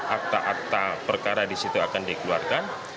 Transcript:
akta akta perkara di situ akan dikeluarkan